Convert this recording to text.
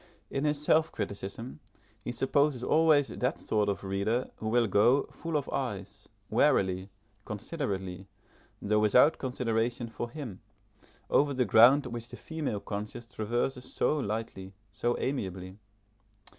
In his self criticism, he supposes always that sort of reader who will go (full of eyes) warily, considerately, though without consideration for him, over the ground which the female conscience traverses so lightly, so amiably.